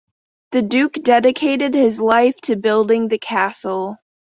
The Duke dedicated his life to building the castle.